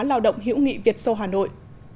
lao động hiễu nghị việt sô hà nội